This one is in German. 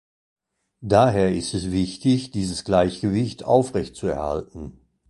Daher ist es wichtig, dieses Gleichgewicht aufrechtzuerhalten.